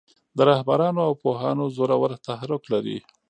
د رهبرانو او پوهانو زورور تحرک لري.